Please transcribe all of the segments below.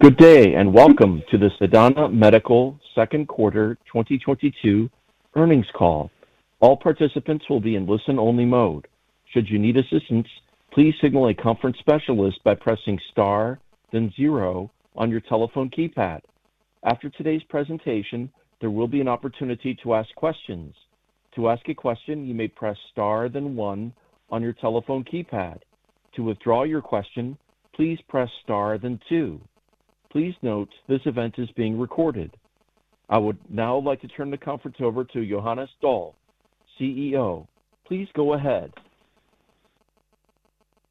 Good day, and welcome to the Sedana Medical second quarter 2022 earnings call. All participants will be in listen-only mode. Should you need assistance, please signal a conference specialist by pressing Star then zero on your telephone keypad. After today's presentation, there will be an opportunity to ask questions. To ask a question, you may press Star then one on your telephone keypad. To withdraw your question, please press Star then two. Please note, this event is being recorded. I would now like to turn the conference over to Johannes Doll, CEO. Please go ahead.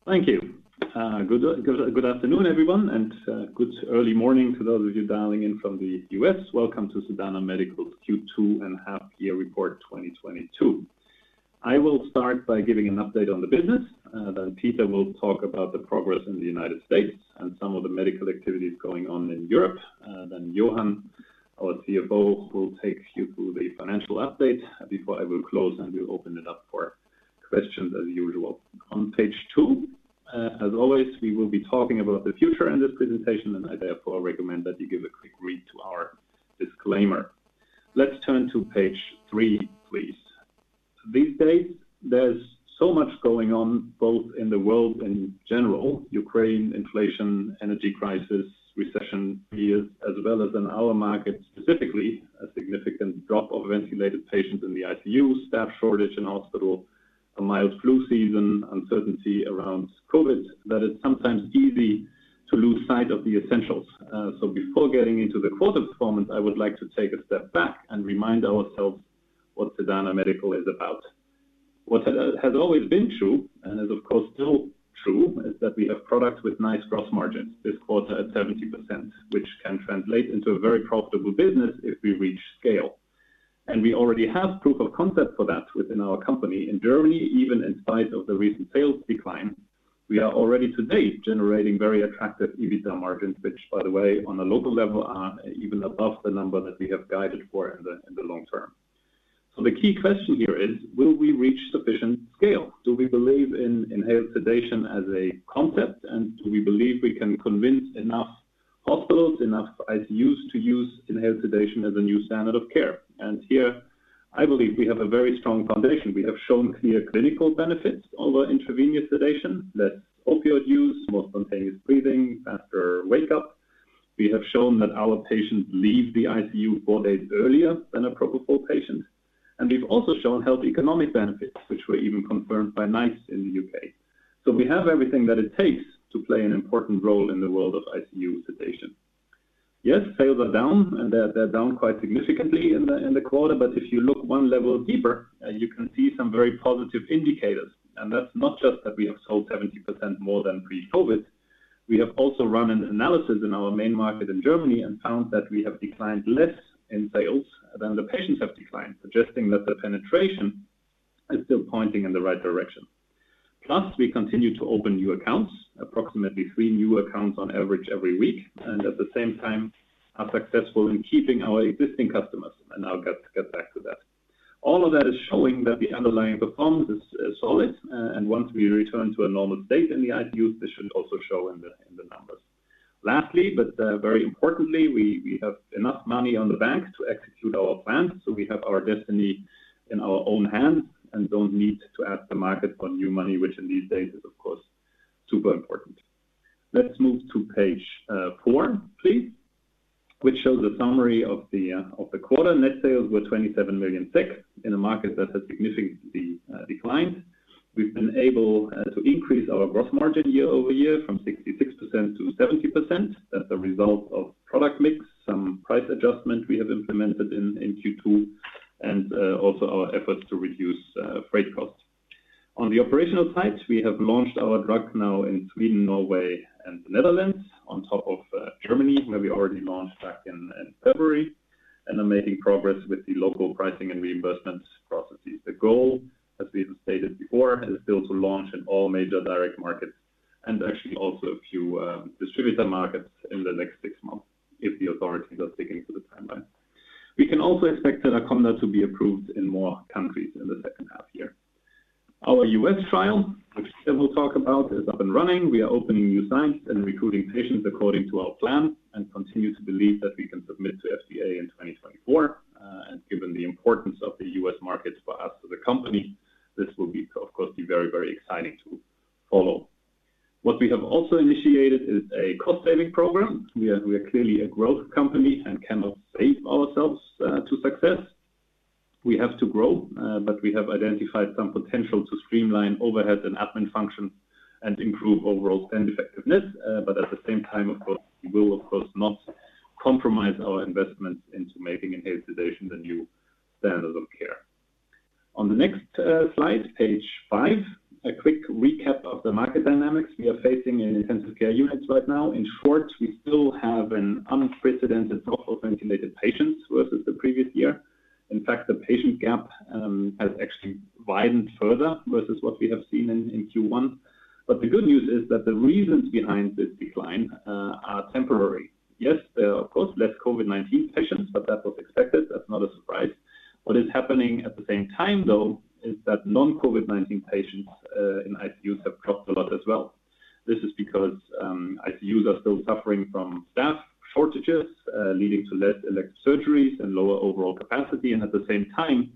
Thank you. Good afternoon, everyone, and good early morning to those of you dialing in from the U.S. Welcome to Sedana Medical's Q2 and half-year report 2022. I will start by giving an update on the business, then Peter will talk about the progress in the United States and some of the medical activities going on in Europe. Then Johan, our CFO, will take you through the financial update before I will close, and we'll open it up for questions as usual. On page two, as always, we will be talking about the future in this presentation, and I therefore recommend that you give a quick read to our disclaimer. Let's turn to page three, please. These days, there's so much going on, both in the world in general, Ukraine, inflation, energy crisis, recession fears, as well as in our market, specifically a significant drop of ventilated patients in the ICU, staff shortage in hospital, a mild flu season, uncertainty around COVID, that it's sometimes easy to lose sight of the essentials. Before getting into the quarter performance, I would like to take a step back and remind ourselves what Sedana Medical is about. What has always been true, and is, of course, still true, is that we have products with nice gross margins. This quarter at 70%, which can translate into a very profitable business if we reach scale. We already have proof of concept for that within our company. In Germany, even in spite of the recent sales decline, we are already to date generating very attractive EBITDA margins, which, by the way, on a local level, are even above the number that we have guided for in the long term. The key question here is: Will we reach sufficient scale? Do we believe in inhaled sedation as a concept? Do we believe we can convince enough hospitals, enough ICUs to use inhaled sedation as a new standard of care? Here I believe we have a very strong foundation. We have shown clear clinical benefits over intravenous sedation. Less opioid use, more spontaneous breathing, faster wake-up. We have shown that our patients leave the ICU four days earlier than a propofol patient. We've also shown health economic benefits, which were even confirmed by NICE in the U.K. We have everything that it takes to play an important role in the world of ICU sedation. Yes, sales are down and they're down quite significantly in the quarter. If you look one level deeper, you can see some very positive indicators. That's not just that we have sold 70% more than pre-COVID. We have also run an analysis in our main market in Germany and found that we have declined less in sales than the patients have declined, suggesting that the penetration is still pointing in the right direction. Plus, we continue to open new accounts, approximately three new accounts on average every week, and at the same time are successful in keeping our existing customers, and I'll get back to that. All of that is showing that the underlying performance is solid, and once we return to a normal state in the ICUs, this should also show in the numbers. Lastly, but very importantly, we have enough money in the bank to execute our plans, so we have our destiny in our own hands and don't need to ask the market for new money, which in these days is of course super important. Let's move to page four please, which shows a summary of the quarter. Net sales were 27.6 million in a market that has significantly declined. We've been able to increase our gross margin year-over-year from 66%-70% as a result of product mix, some price adjustment we have implemented in Q2, and also our efforts to reduce freight costs. On the operational side, we have launched our drug now in Sweden, Norway, and the Netherlands on top of Germany, where we already launched back in February, and are making progress with the local pricing and reimbursements processes. The goal, as we have stated before, is still to launch in all major direct markets and actually also a few distributor markets in the next six months if the authorities are sticking to the timeline. We can also expect Sedaconda to be approved in more countries in the second half year. Our U.S. trial, which Peter will talk about, is up and running. We are opening new sites and recruiting patients according to our plan and continue to believe that we can submit to FDA in 2024. Given the importance of the U.S. markets for us as a company, this will be, of course, very, very exciting to follow. What we have also initiated is a cost-saving program. We are clearly a growth company and cannot save ourselves to success. We have to grow, but we have identified some potential to streamline overhead and admin functions and improve overall spend effectiveness. At the same time, of course, we will, of course, not compromise our investments into making inhaled sedation the new standard of care. On the next slide, page five, a quick recap of the market dynamics we are facing in intensive care units right now. In short, we still have an unprecedented drop of ventilated patients versus the previous year. In fact, the patient gap has actually widened further versus what we have seen in Q1. The good news is that the reasons behind this decline are temporary. Yes, there are of course less COVID-19 patients, but that was expected. That's not a surprise. What is happening at the same time, though, is that non-COVID-19 patients in ICUs have dropped a lot as well. This is because ICUs are still suffering from staff shortages, leading to less elective surgeries and lower overall capacity. At the same time,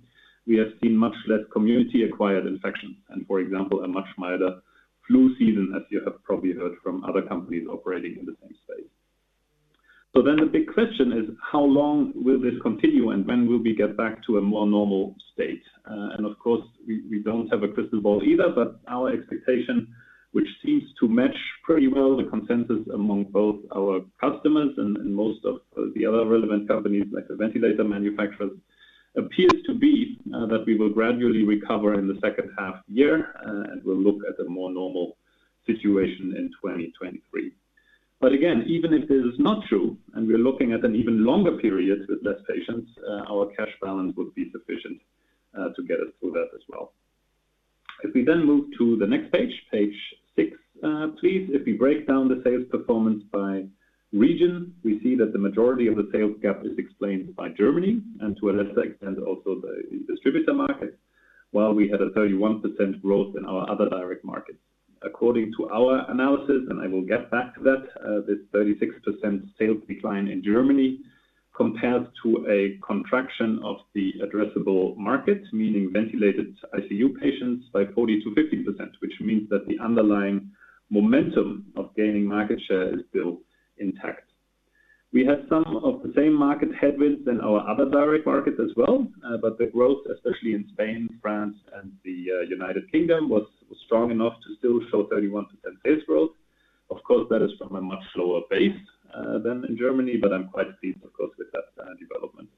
we have seen much less community-acquired infections and, for example, a much milder flu season as you have probably heard from other companies operating in the same space. The big question is how long will this continue and when will we get back to a more normal state? Of course, we don't have a crystal ball either, but our expectation, which seems to match pretty well the consensus among both our customers and most of the other relevant companies like the ventilator manufacturers, appears to be that we will gradually recover in the second half year, and we'll look at a more normal situation in 2023. Again, even if this is not true and we're looking at an even longer period with less patients, our cash balance would be sufficient to get us through that as well. If we then move to the next page six, please. If we break down the sales performance by region, we see that the majority of the sales gap is explained by Germany and to a less extent also the distributor market, while we had a 31% growth in our other direct markets. According to our analysis, and I will get back to that, this 36% sales decline in Germany compares to a contraction of the addressable market, meaning ventilated ICU patients by 40%-50%. Which means that the underlying momentum of gaining market share is still intact. We had some of the same market headwinds in our other direct markets as well, but the growth, especially in Spain, France and the United Kingdom was strong enough to still show 31% sales growth. Of course, that is from a much slower base than in Germany, but I'm quite pleased of course with that development.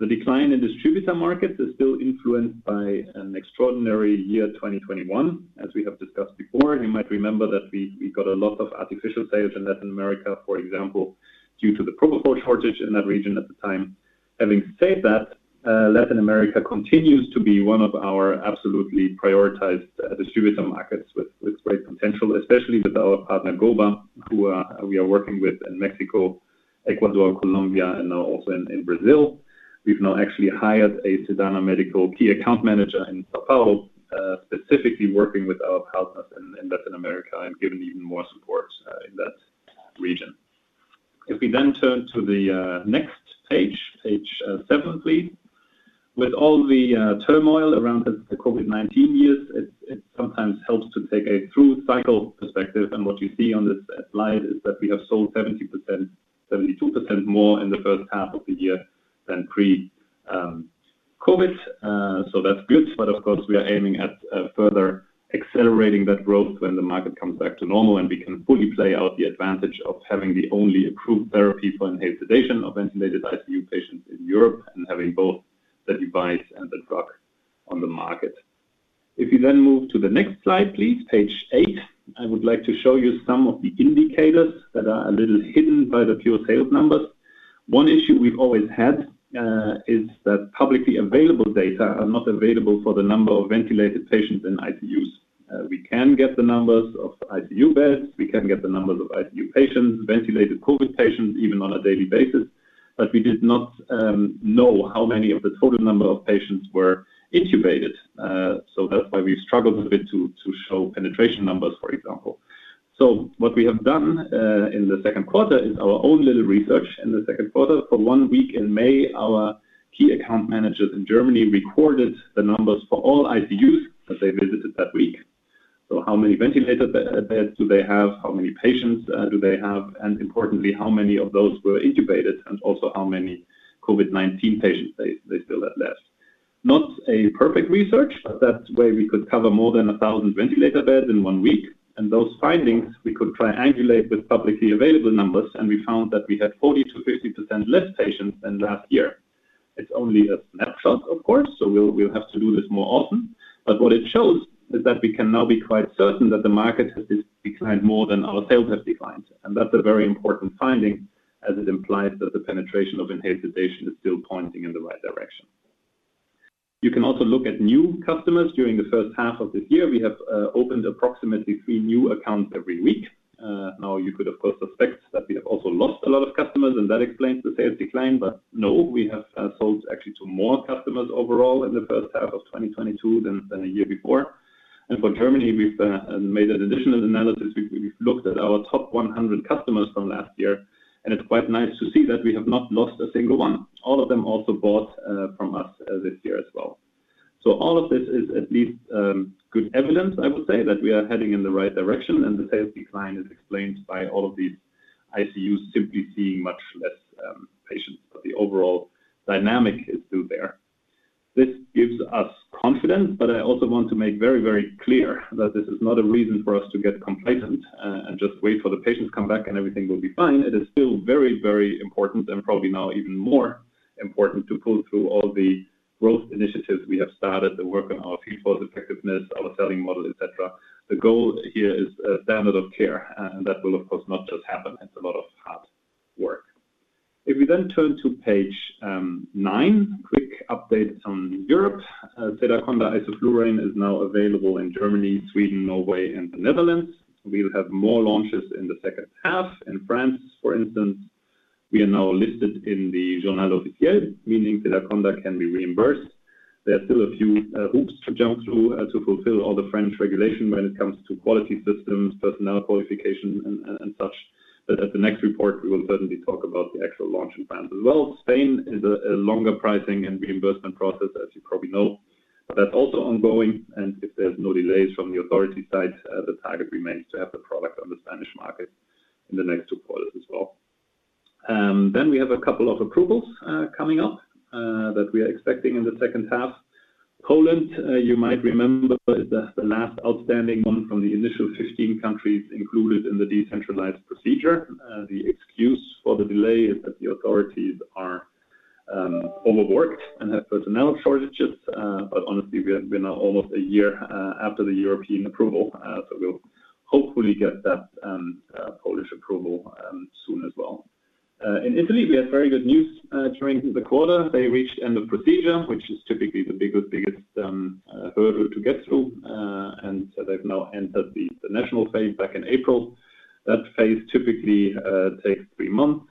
The decline in distributor markets is still influenced by an extraordinary year 2021 as we have discussed before. You might remember that we got a lot of artificial sales in Latin America, for example, due to the propofol shortage in that region at the time. Having said that, Latin America continues to be one of our absolutely prioritized distributor markets with great potential, especially with our partner, Goba, who we are working with in Mexico, Ecuador, Colombia and now also in Brazil. We've now actually hired a Sedana Medical key account manager in São Paulo, specifically working with our partners in Latin America and giving even more support in that region. If we then turn to the next page seven, please. With all the turmoil around the COVID-19 years, it sometimes helps to take a through-cycle perspective. What you see on this slide is that we have sold 72% more in the first half of the year than pre-COVID. That's good, but of course we are aiming at further accelerating that growth when the market comes back to normal and we can fully play out the advantage of having the only approved therapy for inhaled sedation of ventilated ICU patients in Europe and having both the device and the drug on the market. If you then move to the next slide, please, page eight. I would like to show you some of the indicators that are a little hidden by the pure sales numbers. One issue we've always had is that publicly available data are not available for the number of ventilated patients in ICUs. We can get the numbers of ICU beds. We can get the numbers of ICU patients, ventilated COVID patients even on a daily basis. We did not know how many of the total number of patients were intubated. That's why we struggled a bit to show penetration numbers, for example. What we have done in the second quarter is our own little research. In the second quarter for one week in May our key account managers in Germany recorded the numbers for all ICUs that they visited that week. How many ventilator beds do they have? How many patients do they have? And importantly, how many of those were intubated? Also how many COVID-19 patients they still had left. Not a perfect research, but that way we could cover more than 1,000 ventilator beds in one week. Those findings we could triangulate with publicly available numbers, and we found that we had 40%-50% less patients than last year. It's only a snapshot of course, so we'll have to do this more often. What it shows is that we can now be quite certain that the market has declined more than our sales have declined. That's a very important finding as it implies that the penetration of inhaled sedation is still pointing in the right direction. You can also look at new customers during the first half of this year. We have opened approximately three new accounts every week. Now you could, of course, expect that we have also lost a lot of customers and that explains the sales decline, but no, we have sold actually to more customers overall in the first half of 2022 than a year before. For Germany we've made an additional analysis. We've looked at our top 100 customers from last year, and it's quite nice to see that we have not lost a single one. All of them also bought from us this year as well. All of this is at least good evidence I would say that we are heading in the right direction and the sales decline is explained by all of these ICUs simply seeing much less patients, but the overall dynamic is still there. This gives us confidence, but I also want to make very, very clear that this is not a reason for us to get complacent and just wait for the patients come back and everything will be fine. It is still very, very important and probably now even more important to pull through all the growth initiatives we have started, the work on our people's effectiveness, our selling model, et cetera. The goal here is a standard of care, and that will of course not just happen. It's a lot of hard work. If we turn to page nine, quick update on Europe. Sedaconda isoflurane is now available in Germany, Sweden, Norway and the Netherlands. We'll have more launches in the second half in France, for instance. We are now listed in the Journal officiel, meaning that our product can be reimbursed. There are still a few hoops to jump through to fulfill all the French regulation when it comes to quality systems, personnel qualification and such. At the next report, we will certainly talk about the actual launch and plans as well. Spain is a longer pricing and reimbursement process, as you probably know, but that's also ongoing, and if there's no delays from the authority side, the target remains to have the product on the Spanish market in the next two quarters as well. We have a couple of approvals coming up that we are expecting in the second half. Poland, you might remember, is the last outstanding one from the initial 15 countries included in the decentralized procedure. The excuse for the delay is that the authorities are overworked and have personnel shortages, but honestly, we have been almost a year after the European approval, so we'll hopefully get that Polish approval soon as well. In Italy, we had very good news during the quarter. They reached end of procedure, which is typically the biggest hurdle to get through, and so they've now entered the national phase back in April. That phase typically takes three months.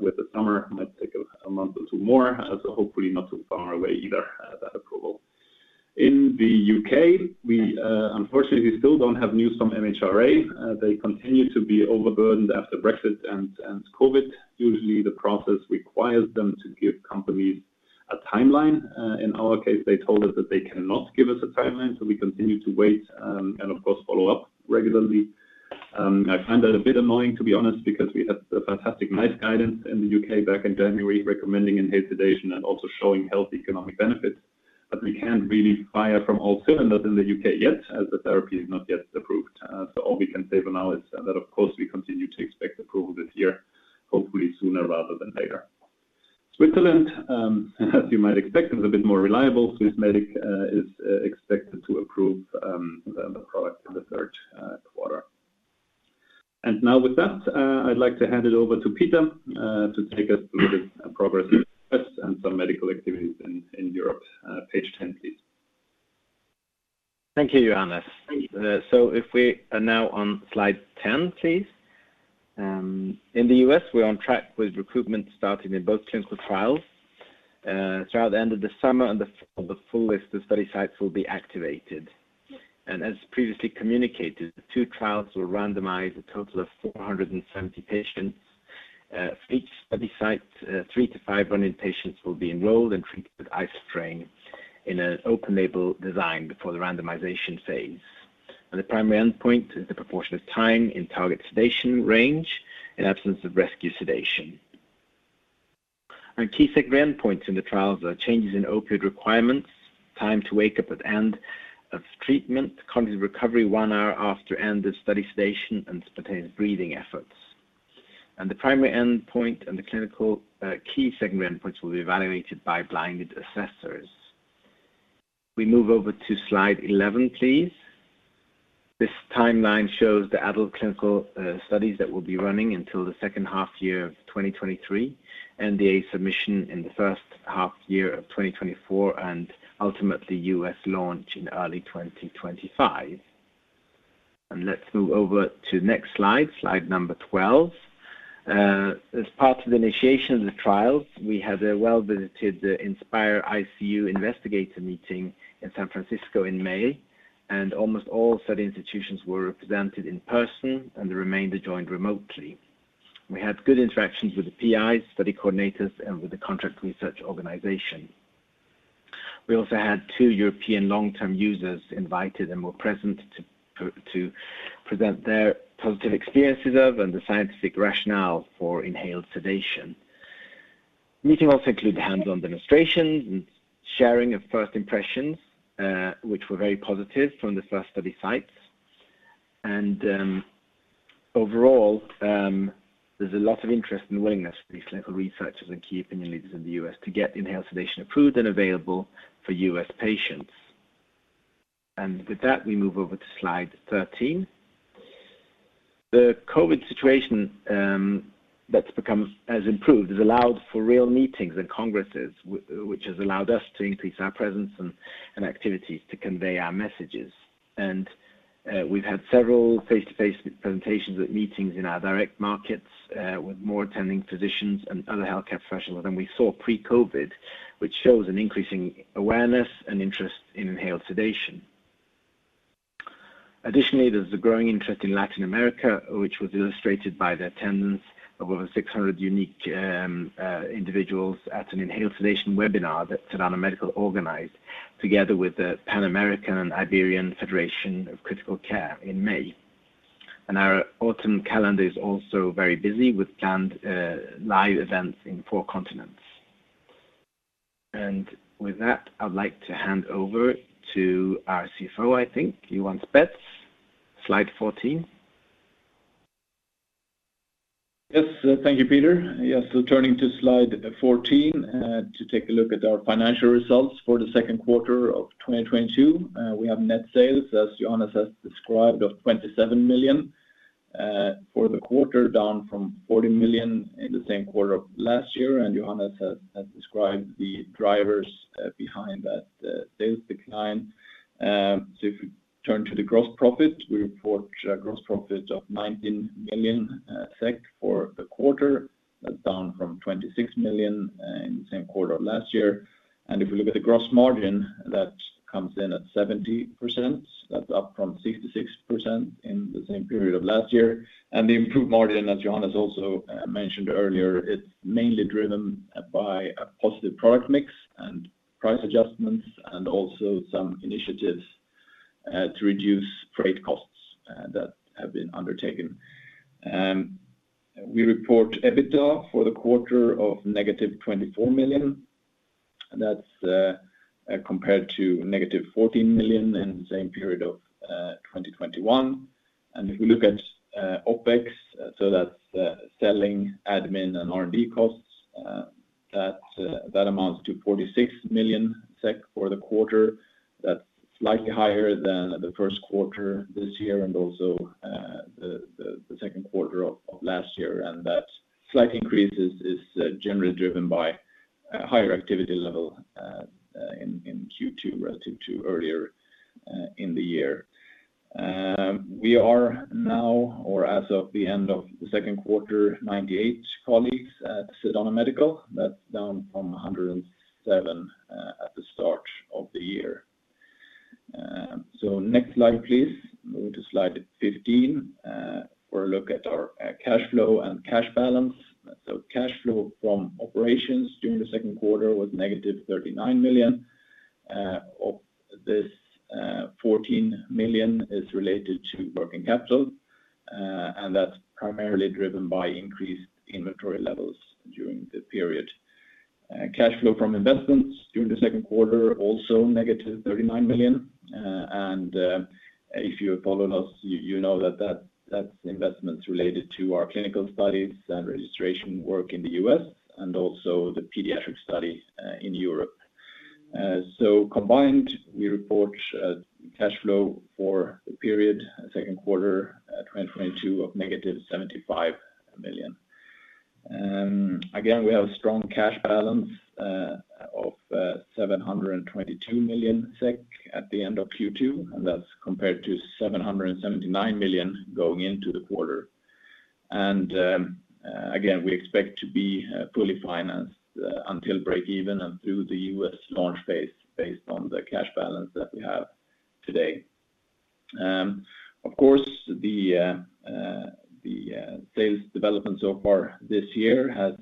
With the summer, it might take a month or two more, so hopefully not too far away either, that approval. In the U.K., we unfortunately still don't have news from MHRA. They continue to be overburdened after Brexit and COVID. Usually, the process requires them to give companies a timeline. In our case, they told us that they cannot give us a timeline, so we continue to wait, and of course, follow up regularly. I find that a bit annoying, to be honest, because we had a fantastic NICE guidance in the U.K. back in January recommending inhaled sedation and also showing health economic benefits. We can't really fire on all cylinders in the U.K. yet, as the therapy is not yet approved. All we can say for now is that, of course, we continue to expect approval this year, hopefully sooner rather than later. Switzerland, as you might expect, is a bit more reliable. Swissmedic is expected to approve the product in the third quarter. Now with that, I'd like to hand it over to Peter to take us through the progress in the U.S. and some medical activities in Europe. Page 10, please. Thank you, Johannes. Thank you. If we are now on slide 10, please. In the U.S., we're on track with recruitment starting in both clinical trials. Throughout the end of the summer, the full list of study sites will be activated. As previously communicated, the two trials will randomize a total of 470 patients. For each study site, 300-500 patients will be enrolled and treated with isoflurane in an open-label design before the randomization phase. The primary endpoint is the proportion of time in target sedation range in absence of rescue sedation. Key second endpoints in the trials are changes in opioid requirements, time to wake up at end of treatment, cognitive recovery one hour after end of study sedation, and spontaneous breathing efforts. The primary endpoint and the clinical key second endpoints will be evaluated by blinded assessors. We move over to slide 11, please. This timeline shows the adult clinical studies that will be running until the second half of 2023, NDA submission in the first half of 2024, and ultimately U.S. launch in early 2025. Let's move over to next slide number 12. As part of the initiation of the trials, we had a well-visited INSPiRE-ICU Investigator meeting in San Francisco in May, and almost all study institutions were represented in person, and the remainder joined remotely. We had good interactions with the PIs, study coordinators, and with the contract research organization. We also had two European long-term users invited and were present to present their positive experiences of and the scientific rationale for inhaled sedation. Meetings also include hands-on demonstrations and sharing of first impressions, which were very positive from the first study sites. Overall, there's a lot of interest and willingness for these clinical researchers and key opinion leaders in the U.S. to get inhaled sedation approved and available for U.S. patients. With that, we move over to slide 13. The COVID situation has improved, has allowed for real meetings and congresses, which has allowed us to increase our presence and activities to convey our messages. We've had several face-to-face presentations with meetings in our direct markets, with more attending physicians and other healthcare professionals than we saw pre-COVID, which shows an increasing awareness and interest in inhaled sedation. Additionally, there's a growing interest in Latin America, which was illustrated by the attendance of over 600 unique individuals at an inhaled sedation webinar that Sedana Medical organized together with the Pan American and Iberian Federation of Critical Medicine and Intensive Care in May. Our autumn calendar is also very busy with planned live events in four continents. With that, I'd like to hand over to our CFO, I think, Johan Spetz. Slide 14. Yes. Thank you, Peter. Yes. Turning to slide 14, to take a look at our financial results for the second quarter. 2022, we have net sales, as Johannes has described, of 27 million for the quarter, down from 40 million in the same quarter of last year. Johannes has described the drivers behind that sales decline. If we turn to the gross profit, we report a gross profit of 19 million SEK for the quarter. That's down from 26 million in the same quarter of last year. If we look at the gross margin, that comes in at 70%. That's up from 66% in the same period of last year. The improved margin, as Johannes also mentioned earlier, it's mainly driven by a positive product mix and price adjustments and also some initiatives to reduce freight costs that have been undertaken. We report EBITDA for the quarter of -24 million. That's compared to -14 million in the same period of 2021. If we look at OpEx, so that's selling, admin, and R&D costs, that amounts to 46 million SEK for the quarter. That's slightly higher than the first quarter this year and also the second quarter of last year. That slight increase is generally driven by a higher activity level in Q2 relative to earlier in the year. We are now, or as of the end of the second quarter, 98 colleagues at Sedana Medical. That's down from 107 at the start of the year. Next slide, please. Move to slide 15 for a look at our cash flow and cash balance. Cash flow from operations during the second quarter was -39 million. Of this, 14 million is related to working capital, and that's primarily driven by increased inventory levels during the period. Cash flow from investments during the second quarter, also -39 million. And if you have followed us, you know that that's investments related to our clinical studies and registration work in the U.S. and also the pediatric studies in Europe. Combined, we report cash flow for the period second quarter 2022 of -75 million. Again, we have a strong cash balance of 722 million SEK at the end of Q2, and that's compared to 779 million going into the quarter. Again, we expect to be fully financed until breakeven and through the U.S. launch phase based on the cash balance that we have today. Of course, the sales development so far this year has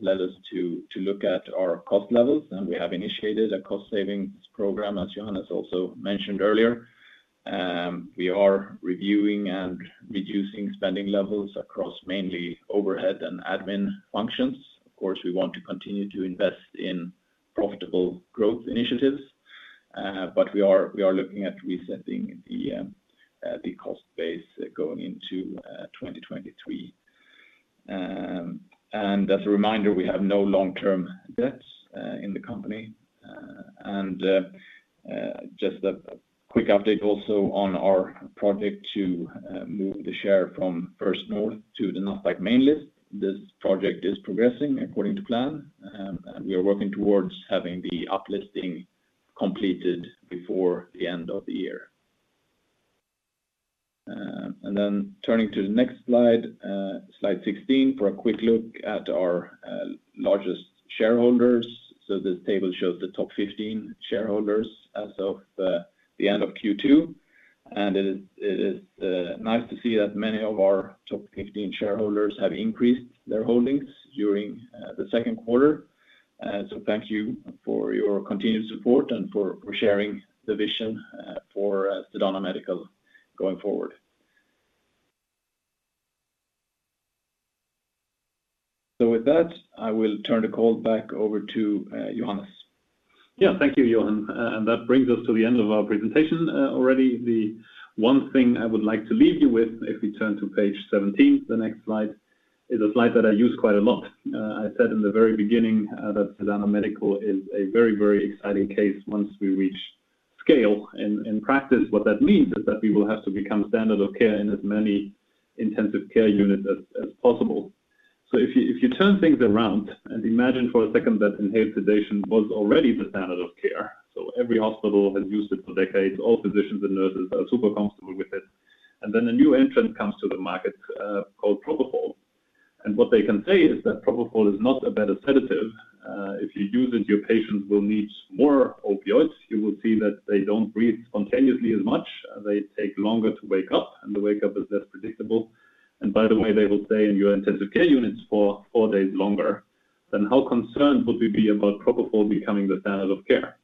led us to look at our cost levels, and we have initiated a cost savings program, as Johannes also mentioned earlier. We are reviewing and reducing spending levels across mainly overhead and admin functions. Of course, we want to continue to invest in profitable growth initiatives, but we are looking at resetting the cost base going into 2023. As a reminder, we have no long-term debts in the company. Just a quick update also on our project to move the share from First North to the Nasdaq Main Market. This project is progressing according to plan. We are working towards having the up-listing completed before the end of the year. Turning to the next slide 16, for a quick look at our largest shareholders. This table shows the top 15 shareholders as of the end of Q2. It is nice to see that many of our top 15 shareholders have increased their holdings during the second quarter. Thank you for your continued support and for sharing the vision for Sedana Medical going forward. With that, I will turn the call back over to Johannes. Yeah. Thank you, Johan. That brings us to the end of our presentation already. The one thing I would like to leave you with, if we turn to page 17, the next slide, is a slide that I use quite a lot. I said in the very beginning that Sedana Medical is a very, very exciting case once we reach scale. In practice what that means is that we will have to become standard of care in as many intensive care units as possible. If you turn things around and imagine for a second that inhaled sedation was already the standard of care, so every hospital has used it for decades, all physicians and nurses are super comfortable with it, and then a new entrant comes to the market called propofol. What they can say is that propofol is not a better sedative. If you use it, your patients will need more opioids. You will see that they don't breathe spontaneously as much. They take longer to wake up, and the wake-up is less predictable. By the way, they will stay in your intensive care units for four days longer. Then how concerned would we be about propofol becoming the standard of care?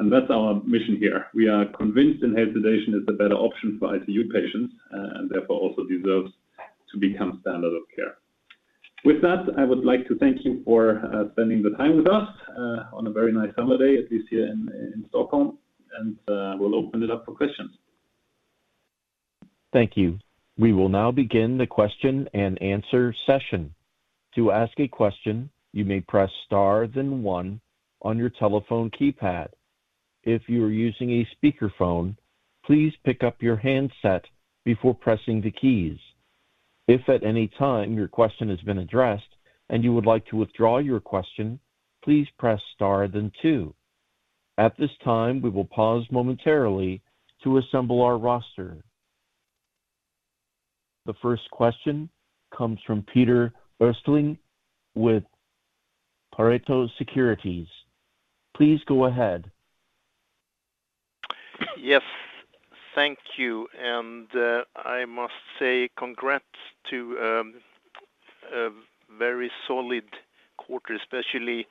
That's our mission here. We are convinced inhaled sedation is the better option for ICU patients, and therefore also deserves to become standard of care. With that, I would like to thank you for spending the time with us on a very nice summer day, at least here in Stockholm. We'll open it up for questions. Thank you. We will now begin the question and answer session. To ask a question, you may press star then one on your telephone keypad. If you are using a speakerphone, please pick up your handset before pressing the keys. If at any time your question has been addressed and you would like to withdraw your question, please press star then two. At this time, we will pause momentarily to assemble our roster. The first question comes from Peter Östling with Pareto Securities. Please go ahead. Yes, thank you. I must say congrats on a very solid quarter especially.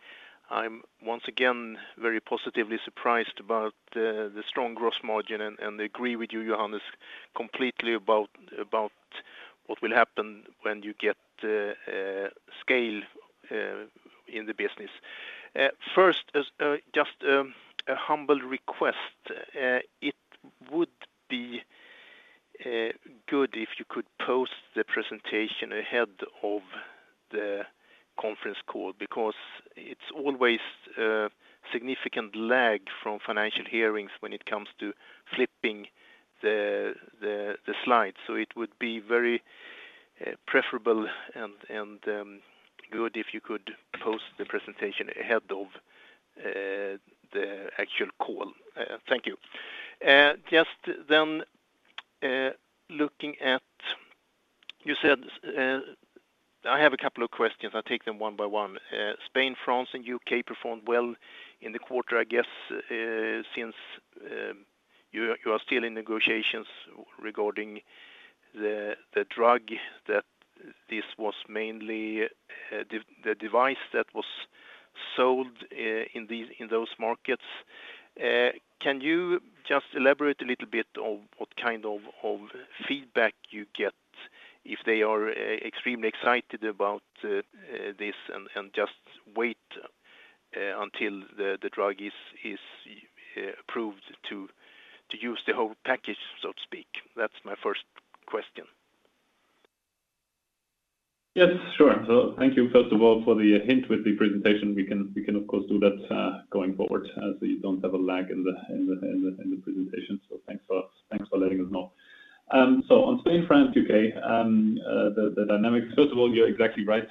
I'm once again very positively surprised about the strong gross margin and agree with you, Johannes, completely about what will happen when you get scale in the business. First off, just a humble request, it would be good if you could post the presentation ahead of the conference call because it's always significant lag from financial year-ends when it comes to flipping the slides. It would be very preferable and good if you could post the presentation ahead of the actual call. Thank you. Just then, looking at what you said. I have a couple of questions. I'll take them one by one. Spain, France, and U.K. performed well in the quarter, I guess, since you are still in negotiations regarding the drug that this was mainly the device that was sold in those markets. Can you just elaborate a little bit on what kind of feedback you get if they are extremely excited about this and just wait until the drug is approved to use the whole package, so to speak? That's my first question. Yes, sure. Thank you first of all for the hint with the presentation. We can of course do that going forward as we don't have a lag in the presentation. Thanks for letting us know. On Spain, France, U.K., the dynamics. First of all, you're exactly right.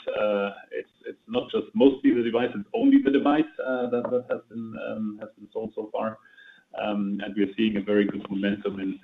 It's not just mostly the device, it's only the device that has been sold so far. We are seeing a very good momentum in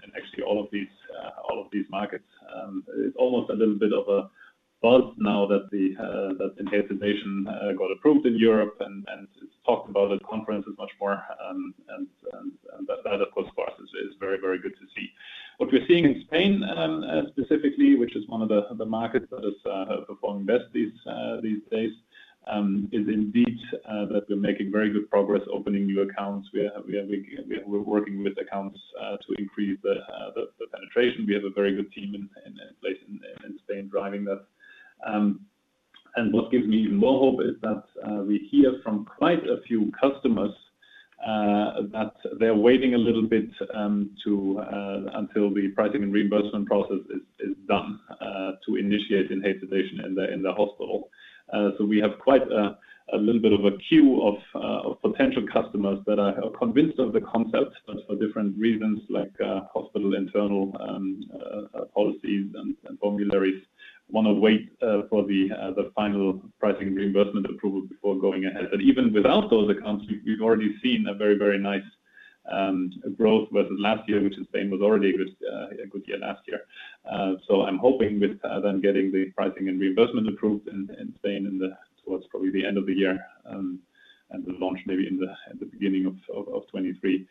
the launch maybe in the beginning of 2023,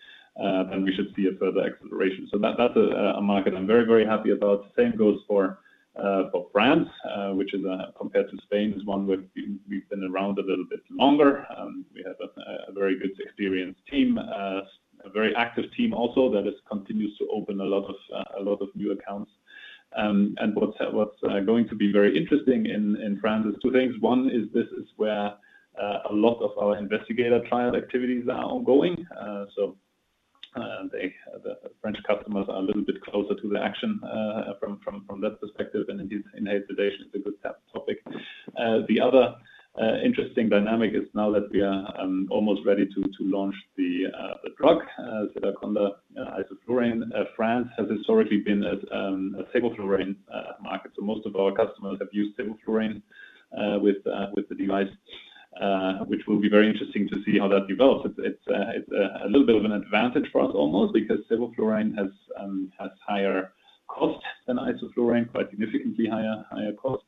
then we should see a further acceleration. That's a market I'm very happy about. Same goes for France, which is, compared to Spain, one where we've been around a little bit longer. We have a very good experienced team. A very active team also that continues to open a lot of new accounts. What's going to be very interesting in France is two things. One is this is where a lot of our investigator trial activities are ongoing. So they, the French customers are a little bit closer to the action from that perspective, and indeed inhalation is a good topic. The other interesting dynamic is now that we are almost ready to launch the drug Sedaconda isoflurane. France has historically been a sevoflurane market, so most of our customers have used sevoflurane with the device, which will be very interesting to see how that develops. It's a little bit of an advantage for us almost because sevoflurane has higher cost than isoflurane, quite significantly higher cost.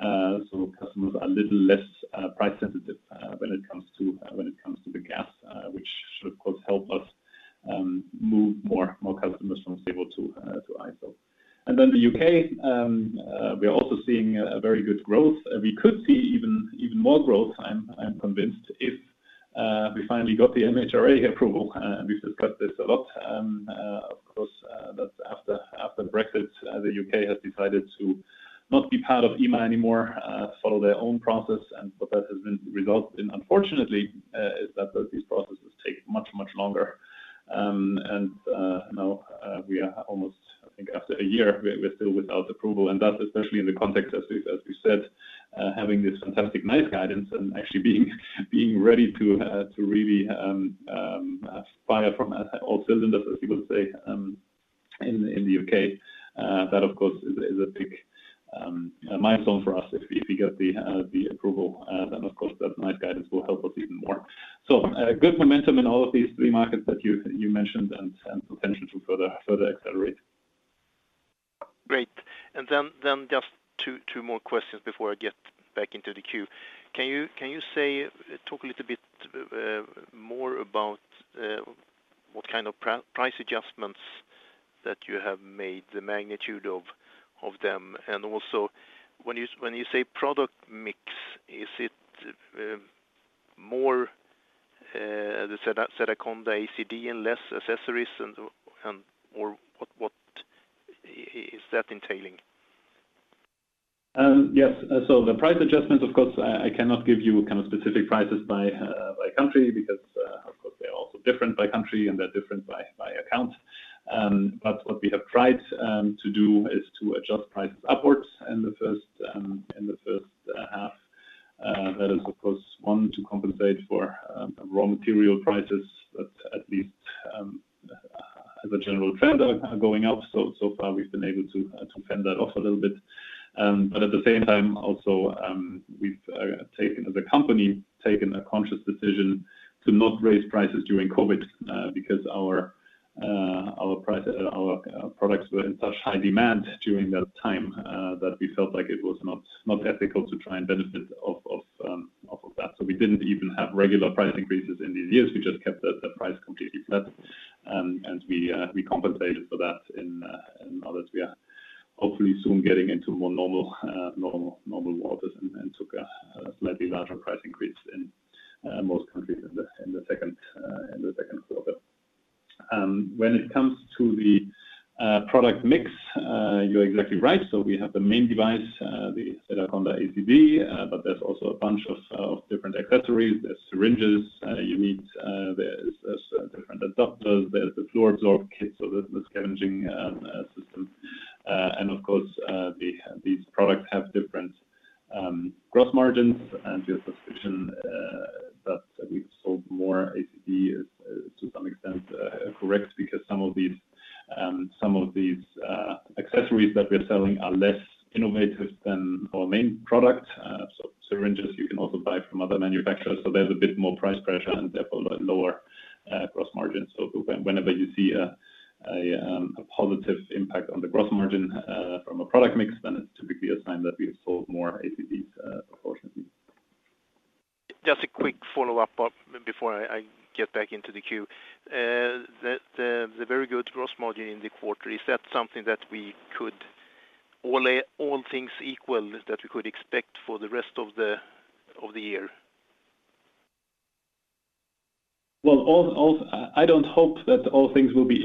So customers are a little less price sensitive when it comes to the gas, which should of course help us move more customers from sevo to iso. Then the U.K., we are also seeing very good growth. We could see even more growth, I'm convinced, if we finally got the MHRA approval, and we've discussed this a lot. Of course, that after Brexit, the U.K. Has decided to not be part of EMA anymore, follow their own process. What that has resulted in, unfortunately, is that these processes take much longer. Now, we are almost, I think after a year, we're still without approval. That's especially in the context as we said, having this fantastic NICE guidance and actually being ready to really fire from all cylinders, as you would say, in the U.K. That of course is a big milestone for us. If we get the approval, then of course that NICE guidance will help us even more. A good momentum in all of these three markets that you mentioned, and potential to further accelerate. Great. Then just two more questions before I get back into the queue. Can you talk a little bit more about what kind of price adjustments that you have made, the magnitude of them? Also when you say product mix, is it more the Sedaconda ACD and less accessories and or what is that entailing? Yes. The price adjustments, of course, I cannot give you kind of specific prices by country because, of course, they're also different by country and they're different by account. But what we have tried to do is to adjust prices upwards in the first half. That is of course one to compensate for raw material prices, but at least, as a general trend are going up. So far we've been able to fend that off a little bit. At the same time also, we've taken as a company a conscious decision to not raise prices during COVID because our products were in such high demand during that time that we felt like it was not ethical to try and benefit off of that. We didn't even have regular price increases in these years. We just kept the price completely flat. We compensated for that now that we are hopefully soon getting into more normal waters and took a slightly larger price increase in most countries in the second quarter. When it comes to the product mix, you're exactly right. We have the main device, the Sedaconda ACD, but there's also a bunch of different accessories. There's syringes, you need, there's different adapters. There's the FlurAbsorb kit, so the scavenging system. Of course, these products have different gross margins. Your suspicion that we've sold more ACD is to some extent correct because some of these accessories that we are selling are less innovative than our main product. Syringes you can also buy from other manufacturers. There's a bit more price pressure and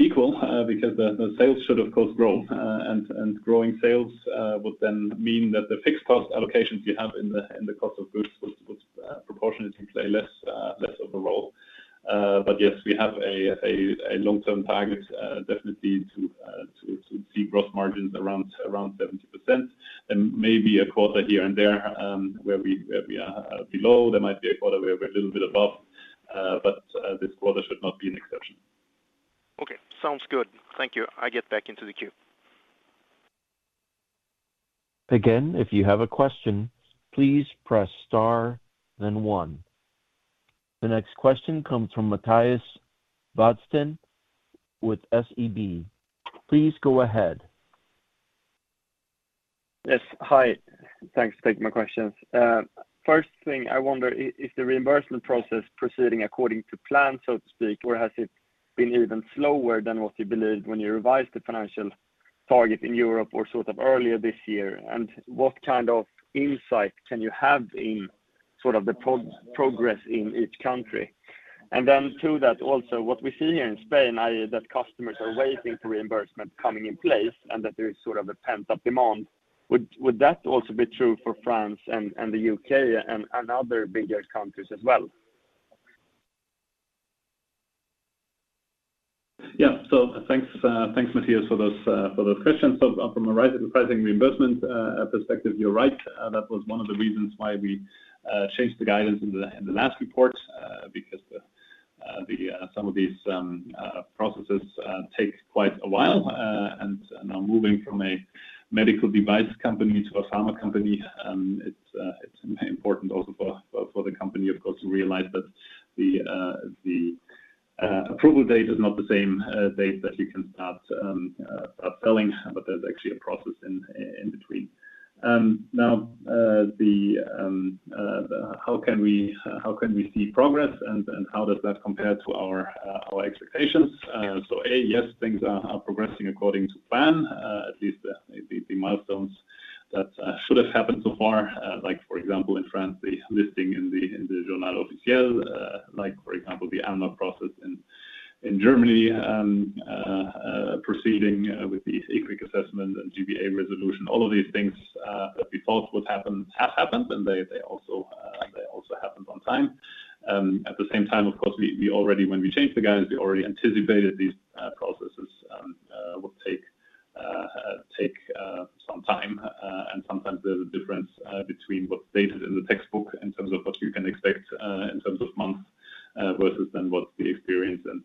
therefore lower gross margins. When you see a positive impact on the gross margin from a product mix, then it's typically a sign that we've sold more ACDs proportionately. Just a quick follow-up before I get back into the queue. The very good gross margin in the quarter, is that something that we could all things equal expect for the rest of the year? Well, I don't hope that all things will be equal, because the sales should of course grow. Growing sales would then mean that the fixed cost allocations you have in the cost of goods would proportionately play less of a role. Yes, we have a long-term target definitely to see gross margins around 70%. Maybe a quarter here and there where we are below, there might be a quarter where we're a little bit above, but this quarter should not be an exception. Okay, sounds good. Thank you. I get back into the queue. Again, if you have a question, please press star then one. The next question comes from Mattias Wådsten with SEB. Please go ahead. Yes. Hi. Thanks for taking my questions. First thing I wonder is the reimbursement process proceeding according to plan, so to speak, or has it been even slower than what you believed when you revised the financial target in Europe or sort of earlier this year? What kind of insight can you have in sort of the progress in each country? To that also, what we see here in Spain are that customers are waiting for reimbursement coming in place and that there is sort of a pent-up demand. Would that also be true for France and the U.K. and other bigger countries as well? Thanks, Mattias for those questions. From a re-pricing reimbursement perspective, you're right. That was one of the reasons why we changed the guidance in the last report because some of these processes take quite a while. Now moving from a medical device company to a pharma company, it's important also for the company of course to realize that the approval date is not the same date that you can start selling, but there's actually a process in between. Now, how can we see progress and how does that compare to our expectations? Yes, things are progressing according to plan, at least the milestones that should have happened so far. Like for example, in France, the listing in the Journal officiel, like for example, the AMNOG process in Germany, proceeding with the IQWiG assessment and G-BA resolution, all of these things that we thought would happen have happened, and they also happened on time. At the same time, of course, when we changed the guidance, we already anticipated these processes would take some time. Sometimes there's a difference between what's stated in the textbook in terms of what you can expect in terms of months versus then what the experience and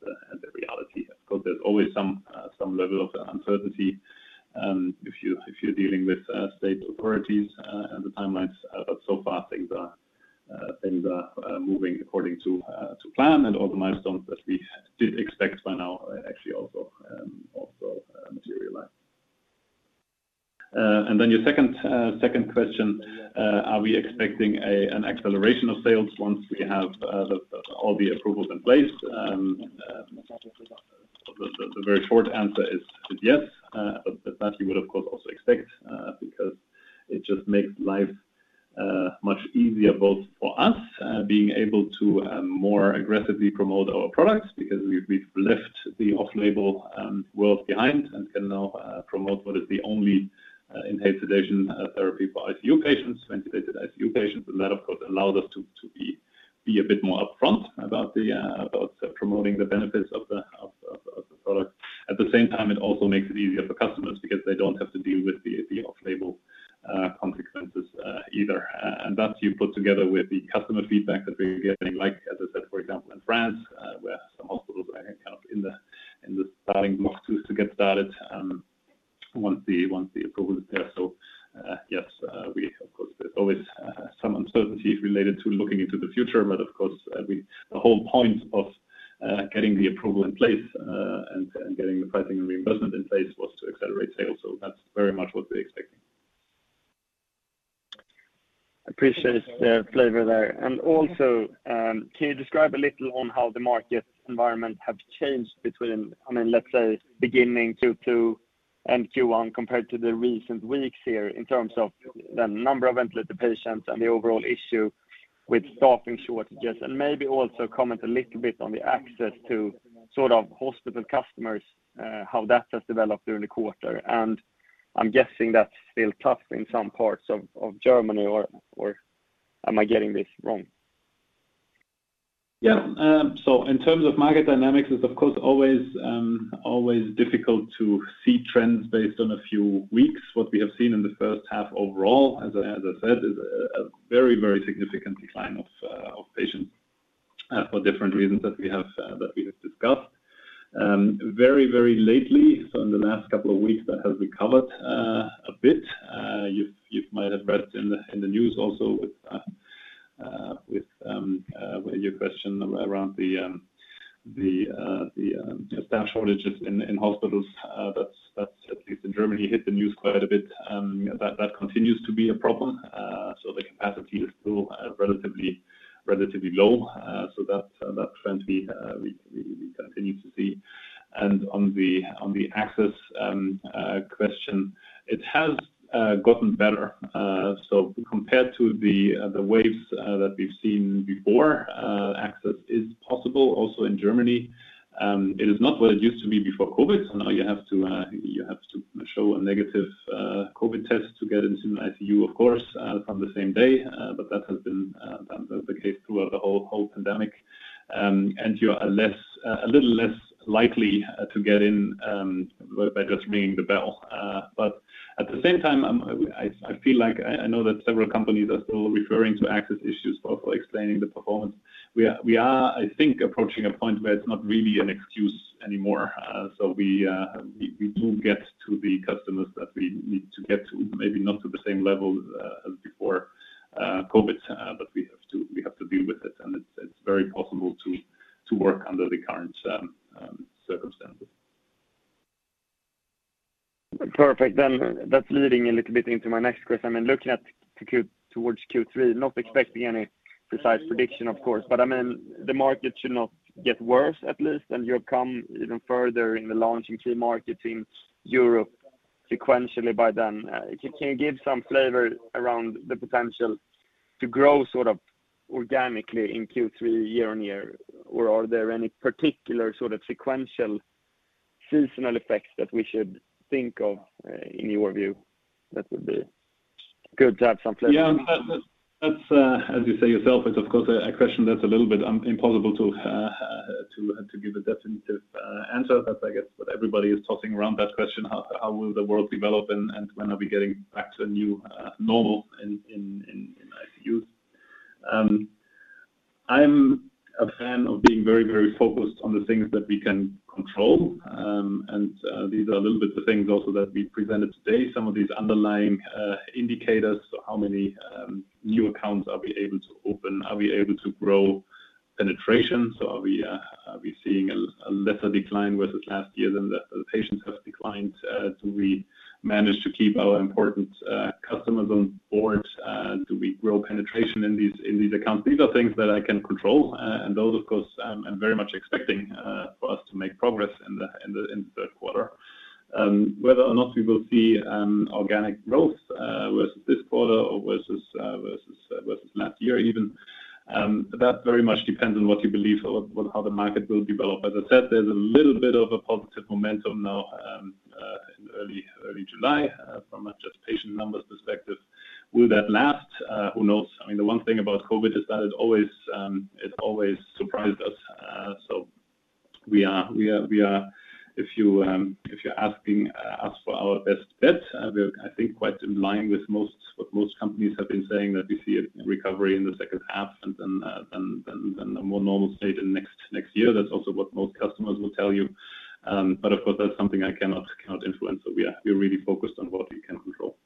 the reality. Of course, there's always some level of uncertainty if you're dealing with state authorities and the timelines. So far things are moving according to plan and all the milestones that we did expect by now are actually also materialized. Then your second question, are we expecting an acceleration of sales once we have all the approvals in place? The very short answer is yes. that you would of course also expect, because it just makes life much easier both for us, being able to more aggressively promote our products because we've left the off-label world behind and can now promote what is the only enhanced sedation therapy for ICU patients, ventilated ICU patients. That of course allows us to be a bit more upfront about promoting the benefits of the product. At the same time, it also makes it easier for customers because they don't have to deal with the off-label consequences either. That you put together with the customer feedback that we're getting, like as I said, for example, in France, where some hospitals are kind of in the starting blocks to get started once the approval is there. Yes, of course there's always some uncertainty related to looking into the future, but of course, the whole point of getting the approval in place and getting the pricing and reimbursement in place was to accelerate sales. That's very much what we're expecting. Appreciate the flavor there. Also, can you describe a little on how the market environment have changed between, I mean, let's say beginning Q2 and Q1 compared to the recent weeks here in terms of the number of ventilated patients and the overall issue with staffing shortages? Maybe also comment a little bit on the access to sort of hospital customers, how that has developed during the quarter. I'm guessing that's still tough in some parts of Germany or am I getting this wrong? Yeah. In terms of market dynamics, it's of course always difficult to see trends based on a few weeks. What we have seen in the first half overall, as I said, is a very significant decline of patients for different reasons that we have discussed. Very lately, so in the last couple of weeks, that has recovered a bit. You might have read in the news also with your question around the staff shortages in hospitals. That's, at least in Germany, hit the news quite a bit. That continues to be a problem. The capacity is still relatively low. That trend we continue to see. On the access question, it has gotten better. Compared to the waves that we've seen before, access is possible also in Germany. It is not what it used to be before COVID. Now you have to show a negative COVID test to get into an ICU, of course, from the same day. That has been the case throughout the whole pandemic. You are a little less likely to get in by just ringing the bell. At the same time, I feel like I know that several companies are still referring to access issues for explaining the performance. We are, I think, approaching a point where it's not really an excuse anymore. We do get to the customers that we need to get to, maybe not to the same level as before COVID, but we have to deal with it. It's very possible to work under the current circumstances. Perfect. That's leading a little bit into my next question. I mean, looking towards Q3, not expecting any precise prediction of course, but I mean, the market should not get worse at least, and you'll come even further in the launching key markets in Europe sequentially by then. Can you give some flavor around the potential to grow sort of organically in Q3 year-on-year? Or are there any particular sort of sequential seasonal effects that we should think of, in your view? That would be good to have some flavor. Yeah. That's, as you say yourself, it's of course a question that's a little bit impossible to give a definitive answer. That's I guess what everybody is tossing around that question, how will the world develop and when are we getting back to a new normal in ICUs. I'm a fan of being very focused on the things that we can control. And these are a little bit the things also that we presented today, some of these underlying indicators. So how many new accounts are we able to open? Are we able to grow penetration? So are we seeing a lesser decline versus last year than the patients have declined? Do we manage to keep our important customers on board? Do we grow penetration in these accounts? These are things that I can control and those of course, I'm very much expecting for us to make progress in the third quarter. Whether or not we will see organic growth versus this quarter or versus last year even, that very much depends on what you believe or how the market will develop. As I said, there's a little bit of a positive momentum now in early July from a just patient numbers perspective. Will that last? Who knows. I mean, the one thing about COVID is that it always surprised us. If you're asking us for our best bet, we're, I think, quite in line with most, what most companies have been saying that we see a recovery in the second half and then a more normal state in next year. That's also what most customers will tell you. But of course, that's something I cannot influence. We're really focused on what we can control.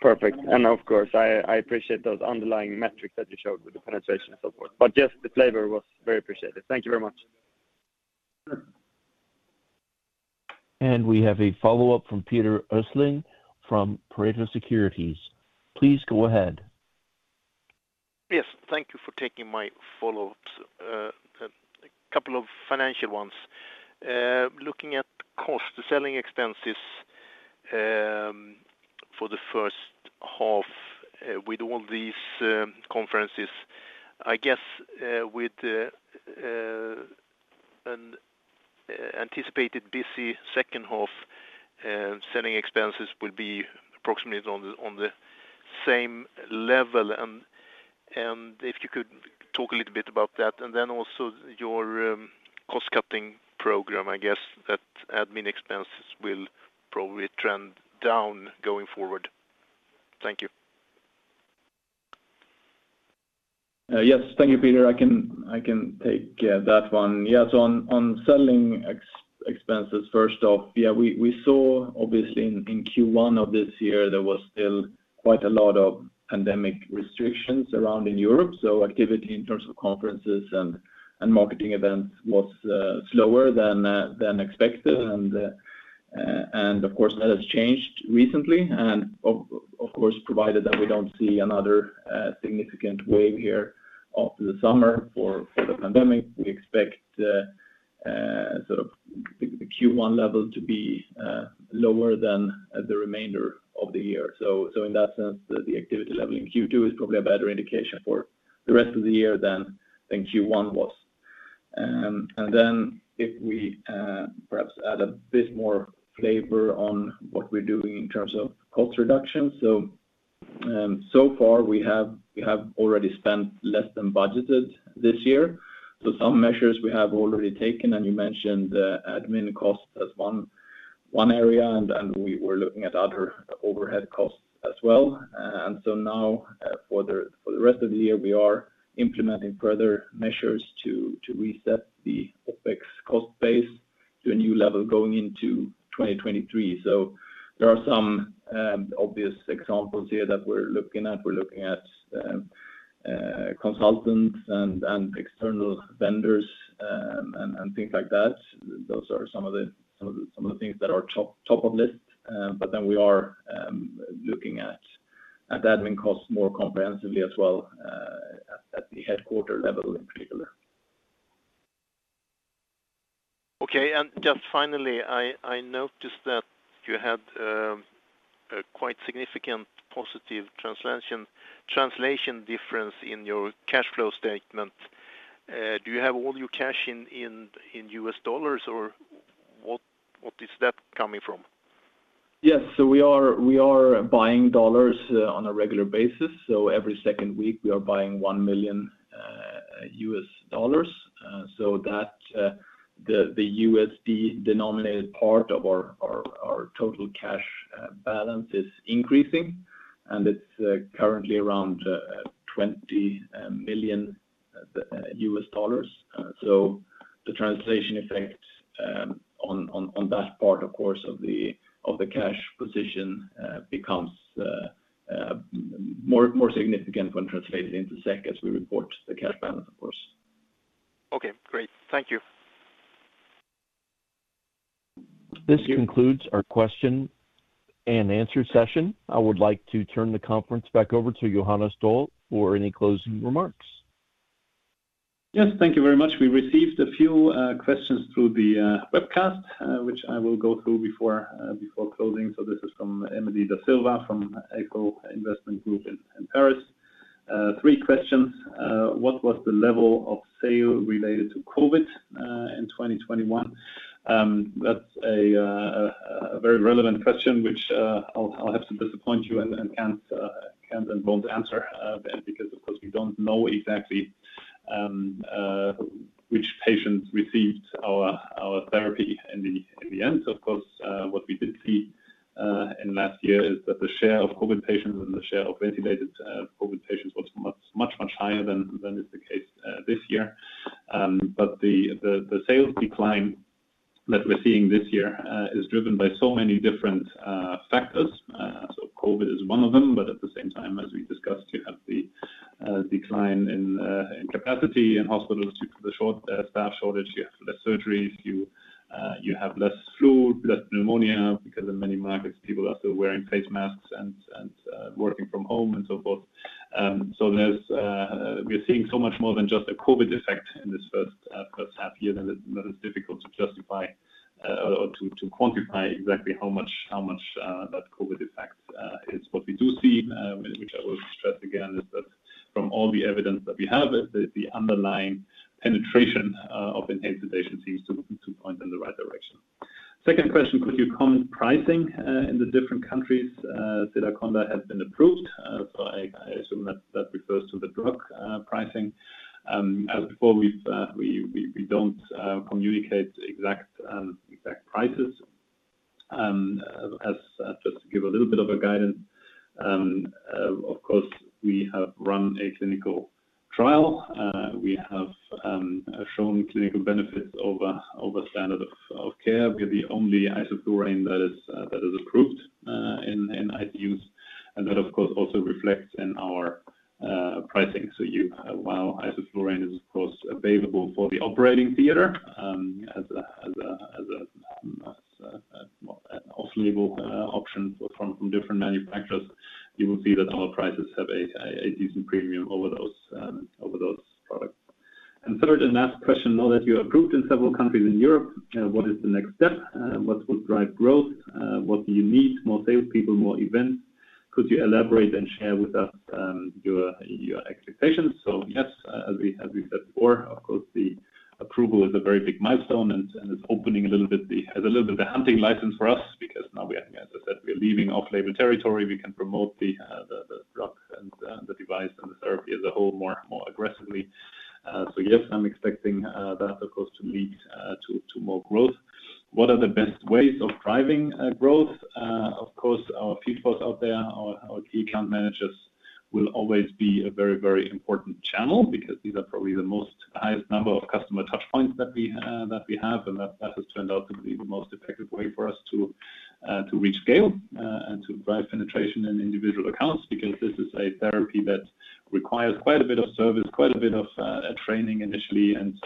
Perfect. Of course, I appreciate those underlying metrics that you showed with the penetration and so forth, but just the flavor was very appreciated. Thank you very much. Sure. We have a follow-up from Peter Östling from Pareto Securities. Please go ahead. Yes, thank you for taking my follow-ups. A couple of financial ones. Looking at cost, the selling expenses, for the first half, with all these conferences. I guess, with an anticipated busy second half, selling expenses will be approximately on the same level, and if you could talk a little bit about that. Also your cost-cutting program, I guess that admin expenses will probably trend down going forward. Thank you. Yes. Thank you, Peter. I can take that one. Yeah. On selling expenses, first off, yeah, we saw obviously in Q1 of this year, there was still quite a lot of pandemic restrictions around in Europe. Activity in terms of conferences and marketing events was slower than expected. Of course, that has changed recently. Of course, provided that we don't see another significant wave here after the summer for the pandemic, we expect sort of the Q1 level to be lower than the remainder of the year. In that sense, the activity level in Q2 is probably a better indication for the rest of the year than Q1 was. If we perhaps add a bit more flavor on what we're doing in terms of cost reduction. So far we have already spent less than budgeted this year. Some measures we have already taken, and you mentioned the admin costs as one area, and we were looking at other overhead costs as well. Now for the rest of the year, we are implementing further measures to reset the OpEx cost base to a new level going into 2023. There are some obvious examples here that we're looking at. We're looking at consultants and external vendors and things like that. Those are some of the things that are top of list. We are looking at admin costs more comprehensively as well, at the headquarters level in particular. Okay. Just finally, I noticed that you had a quite significant positive translation difference in your cash flow statement. Do you have all your cash in U.S. dollars or what is that coming from? Yes. We are buying dollars on a regular basis. Every second week, we are buying $1 million. So that the USD denominated part of our total cash balance is increasing, and it's currently around $20 million. The translation effect on that part, of course, of the cash position becomes more significant when translated into SEK as we report the cash balance, of course. Okay, great. Thank you. This concludes our question and answer session. I would like to turn the conference back over to Johannes Doll for any closing remarks. Yes, thank you very much. We received a few questions through the webcast, which I will go through before closing. This is from Emilie Da Silva from Eiffel Investment Group in Paris. Three questions. What was the level of sales related to COVID in 2021? That's a very relevant question, which I'll have to disappoint you and can't and won't answer, because of course, we don't know exactly which patients received our therapy in the end. Of course, what we did see in last year is that the share of COVID patients and the share of ventilated COVID patients was much, much, much higher than is the case this year. The sales decline that we're seeing this year is driven by so many different factors. COVID-19 is one of them, but at the same time, as we discussed, you have the decline in capacity in hospitals due to the staff shortage. You have less surgeries. You have less flu, less pneumonia because in many markets, people are still wearing face masks and working from home and so forth. We're seeing so much more than just a COVID effect in this first half year that it's difficult to justify or to quantify exactly how much that COVID effect is. What we do see, which I will stress again, is that from all the evidence that we have, the underlying penetration of enhanced sedation seems to point in the right direction. Second question: Could you comment pricing in the different countries Sedaconda has been approved? I assume that refers to the drug pricing. As before, we don't communicate exact prices. Just to give a little bit of a guidance, of course, we have run a clinical trial. We have shown clinical benefits over standard of care. We're the only isoflurane that is approved in ICUs. That, of course, also reflects in our pricing. While isoflurane is, of course, available for the operating theater as a off-label option from different manufacturers, you will see that our prices have a decent premium over those products. Third and last question. Now that you are approved in several countries in Europe, what is the next step? What would drive growth? What do you need? More salespeople, more events? Could you elaborate and share with us your expectations? Yes, as we said before, of course, the approval is a very big milestone, and it's a little bit the hunting license for us because now we are, as I said, leaving off-label territory. We can promote the drug and the device and the therapy as a whole more aggressively. Yes, I'm expecting that, of course, to lead to more growth. What are the best ways of driving growth? Of course, our field force out there, our key account managers will always be a very important channel because these are probably the most highest number of customer touch points that we have and that has turned out to be the most effective way for us to reach scale and to drive penetration in individual accounts. Because this is a therapy that requires quite a bit of service, quite a bit of training initially, and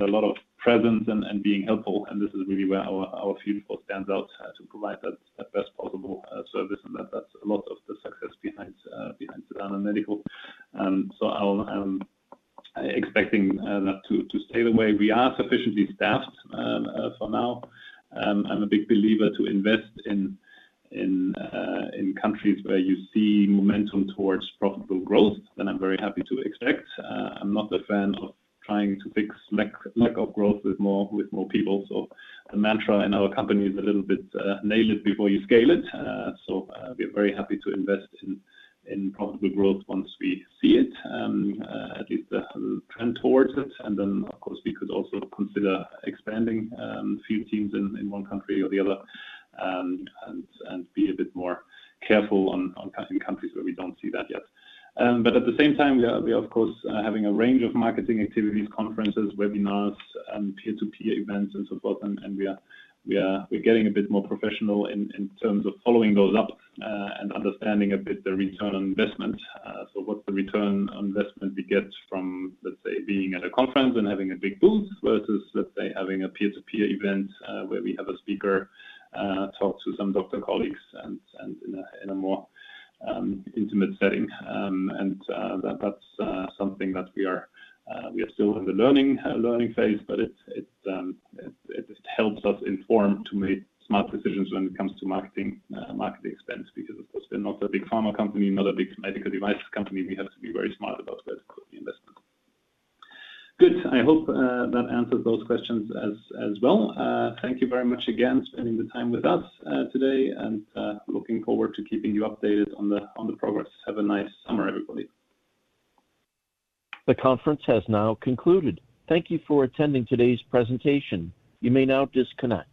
a lot of presence and being helpful. This is really where our field force stands out to provide that best possible service. That's a lot of the success behind Sedana Medical. I'm expecting that to stay the way. We are sufficiently staffed for now. I'm a big believer to invest in countries where you see momentum towards profitable growth that I'm very happy to expect. I'm not a fan of trying to fix lack of growth with more people. The mantra in our company is a little bit nail it before you scale it. We're very happy to invest in profitable growth once we see it, at least the trend towards it. Of course, we could also consider expanding a few teams in one country or the other, and be a bit more careful on countries where we don't see that yet. At the same time, we are, of course, having a range of marketing activities, conferences, webinars, peer-to-peer events and so forth. We're getting a bit more professional in terms of following those up and understanding a bit the return on investment. What the return on investment we get from, let's say, being at a conference and having a big booth versus, let's say, having a peer-to-peer event where we have a speaker talk to some doctor colleagues and in a more intimate setting. That's something that we are still in the learning phase, but it helps us inform to make smart decisions when it comes to marketing expense because, of course, we're not a big pharma company, not a big medical device company. We have to be very smart about where to put the investment. Good. I hope that answered those questions as well. Thank you very much again for spending the time with us today, and looking forward to keeping you updated on the progress. Have a nice summer, everybody. The conference has now concluded. Thank you for attending today's presentation. You may now disconnect.